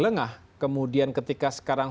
lengah kemudian ketika sekarang